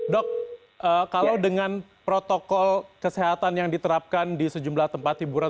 dok kalau dengan protokol kesehatan yang diterapkan di sejumlah tempat hiburan